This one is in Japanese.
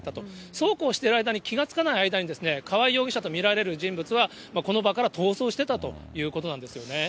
そうこうしている間に気が付かない間に、川合容疑者と見られる人物は、この場から逃走してたということなんですよね。